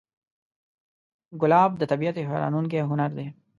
ګلاب د طبیعت یو حیرانوونکی هنر دی.